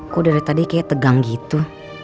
kok dari tadi kayaknya tegang gitu